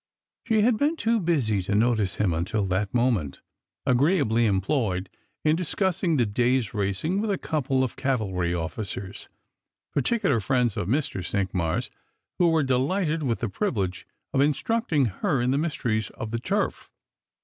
She had been too busy to notice him until that moment, agreeably employed in discussing the day's racing with a couple of cavalry officers, particular friends of Mr. Cinqmars, who were delighted with the privilege of instructing her in the mysteries of the turf.